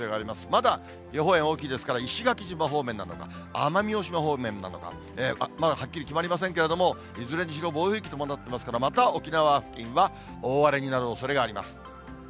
まだ予報円、大きいですから、石垣島方面なのか、奄美大島方面なのか、まだはっきり決まりませんけれども、いずれにしろ暴風域を伴っていますから、また沖縄付近は大荒れになるおそれがあります。